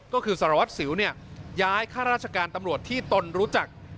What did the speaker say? ก็คือสารวัตรสิวเนี่ยย้ายข้าราชการตำรวจที่ตนรู้จัก